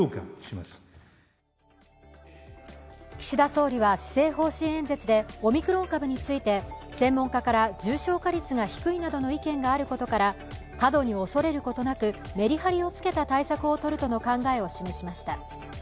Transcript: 岸田総理は、施政方針演説でオミクロン株について専門家から重症化率が低いなどの意見があることから過度に恐れることなくメリハリをつけた対策をとるとの考えを示しました。